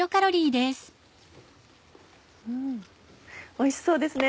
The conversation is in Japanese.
おいしそうですね。